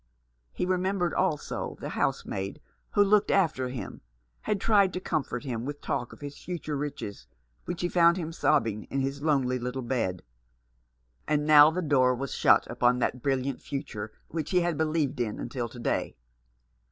He remembered also how the housemaid, who looked after him, had tried to comfort him with talk of his future riches, when she found him sobbing in his lonely little bed. And now the door was shut upon that brilliant future which he had believed in until to day.